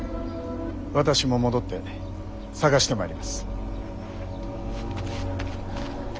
私も戻って捜してまいります。